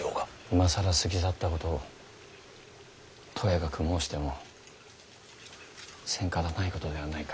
今更過ぎ去ったことをとやかく申しても詮方ないことではないか。